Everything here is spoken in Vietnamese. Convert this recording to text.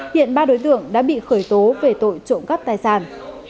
hiện ba đối tượng đã bị khởi tố về tội trộm cắp tài sản